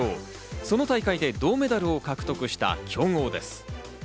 その大会で銅メダルを獲得した強豪です。